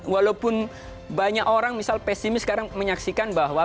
walaupun banyak orang misal pesimis sekarang menyaksikan bahwa